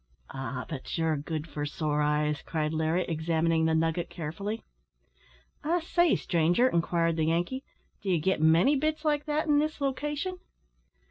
"Ah! but ye're good for sore eyes," cried Larry, examining the nugget carefully. "I say, stranger," inquired the Yankee, "d'ye git many bits like that in this location?"